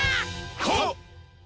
はっ！